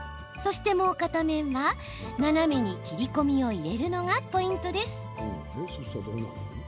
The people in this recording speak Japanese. そして、もう片面は斜めに切り込みを入れるのがポイントです。